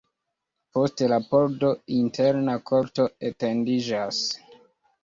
Post la pordo interna korto etendiĝas.